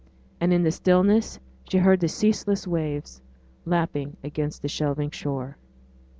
And in the stillness she heard the ceaseless waves lapping against the shelving shore.